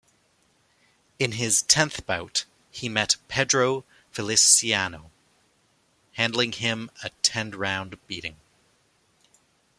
In his tenth bout, he met Pedro Feliciano, handling him a ten-round beating.